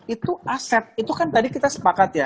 itu aset itu kan tadi kita sepakat ya